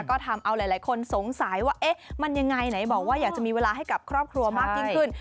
ก็ทำเอาหลายคนสงสัยว่าเอ๊ะมันยังไงไหนบอกว่าอยากจะมีเวลาให้กับครอบครัวมากยิ่งขึ้น